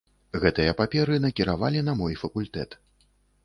Гэтыя паперы накіравалі на мой факультэт.